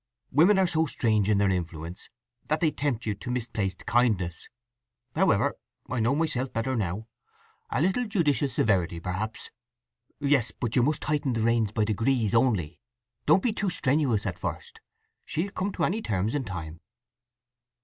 Women are so strange in their influence that they tempt you to misplaced kindness. However, I know myself better now. A little judicious severity, perhaps…" "Yes; but you must tighten the reins by degrees only. Don't be too strenuous at first. She'll come to any terms in time."